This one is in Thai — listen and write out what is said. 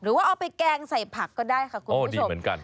หรือว่าเอาไปแกงใส่ผักก็ได้ค่ะคุณผู้ชม